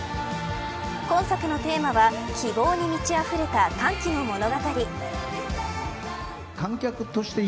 今作のテーマは希望に満ちあふれた歓喜の物語。